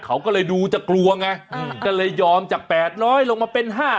เขาก็เลยดูจะกลัวไงก็เลยยอมจาก๘๐๐ลงมาเป็น๕๐๐